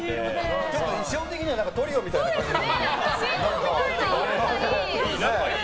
衣装的にはトリオみたいな感じで。